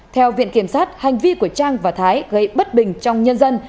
theo viện kiểm sát hành vi của trang và thái gây bất bình trong nhân dân